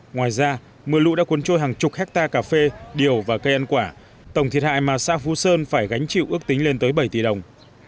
ngoài ra mưa lũ đã cuốn trôi hàng chục hectare cà phê điều và cây ăn quả tổng thiệt hại mà xa phú sơn phải gánh chịu ước tính lên tới bảy tỷ đồng